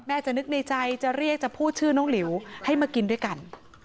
จะนึกในใจจะเรียกจะพูดชื่อน้องหลิวให้มากินด้วยกัน